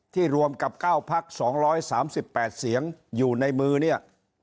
รวมกับ๙พัก๒๓๘เสียงอยู่ในมือเนี่ย